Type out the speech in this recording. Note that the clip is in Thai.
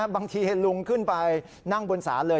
บางทีเห็นลุงขึ้นไปนั่งบนศาลเลย